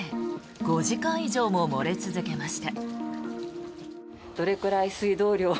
５時間以上も漏れ続けました。